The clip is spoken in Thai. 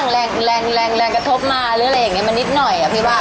แรงแรงแรงกระทบมาหรืออะไรอย่างนี้มานิดหน่อยอะพี่ว่า